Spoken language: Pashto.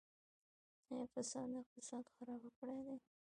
آیا فساد اقتصاد خراب کړی دی؟